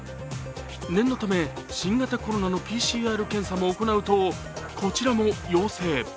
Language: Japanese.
念のため、新型コロナのＰＣＲ検査も行うとこちらも陽性。